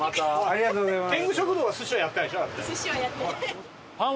ありがとうございます。